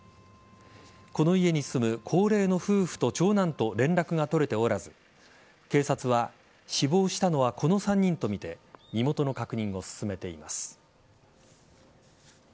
この家に住む高齢の夫婦と長男と連絡が取れておらず警察は死亡したのはこの３人とみて身元の確認を進めています。